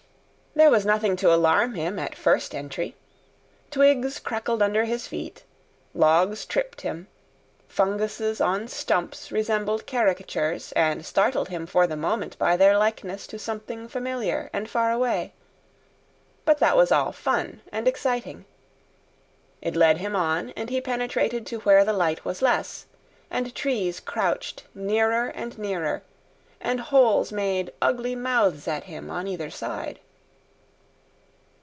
There was nothing to alarm him at first entry. Twigs crackled under his feet, logs tripped him, funguses on stumps resembled caricatures, and startled him for the moment by their likeness to something familiar and far away; but that was all fun, and exciting. It led him on, and he penetrated to where the light was less, and trees crouched nearer and nearer, and holes made ugly mouths at him on either side.